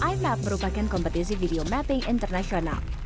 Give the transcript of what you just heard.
i map merupakan kompetisi video mapping internasional